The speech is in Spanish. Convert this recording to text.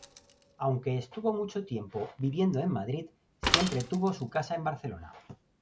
Aunque estuvo mucho tiempo viviendo en Madrid, siempre tuvo su casa en Barcelona.